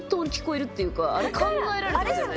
あれ考えられてますよね。